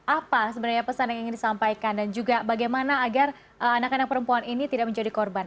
apa sebenarnya pesan yang ingin disampaikan dan juga bagaimana agar anak anak perempuan ini tidak menjadi korban